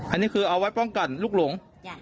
อันนี้คือเอาไว้ป้องกันลูกหลง